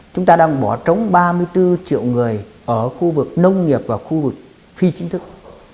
chúng ta đang bỏ trống ba mươi bốn triệu người ở khu vực nông nghiệp và khu vực phi chính thức